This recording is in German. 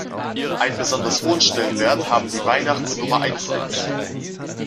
Einen besonders hohen Stellenwert haben die Weihnachts-Nummer-eins-Hits.